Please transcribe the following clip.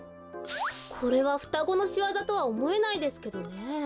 これはふたごのしわざとはおもえないですけどね。